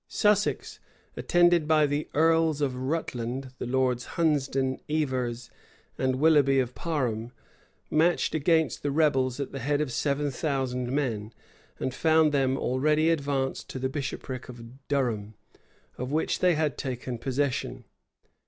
Sussex, attended by the earls of Rutland, the lords Hunsdon, Evers, and Willoughby of Parham, marched against the rebels at the head of seven thousand men, and found them already advanced to the bishopric of Durham, of which they had taken possession.